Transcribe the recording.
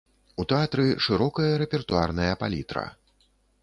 У тэатры шырокая рэпертуарная палітра.